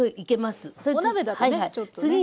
お鍋だとねちょっとね。